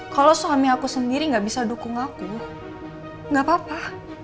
kalau suami aku sendiri gak bisa dukung aku nggak apa apa